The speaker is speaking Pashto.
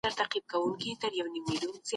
آیا د ښوونځیو ساتونکو ته ځانګړې روزنه ورکول کیږي؟